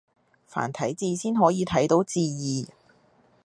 繁體字先可以睇到字義